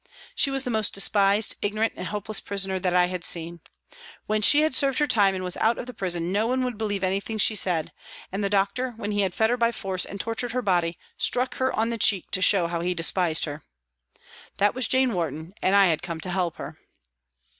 She was the most despised, ignorant and helpless prisoner that I had seen. When she had served her time and was out of the prison, no one would believe anything she said, and the doctor when he had fed her by force and tortured her body, struck her on the cheek to show how he despised her ! That was Jane Warton, and I had come to help her.